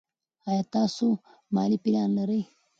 ایا تاسو مالي پلان لرئ.